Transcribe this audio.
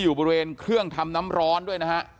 อยู่ดีมาตายแบบเปลือยคาห้องน้ำได้ยังไง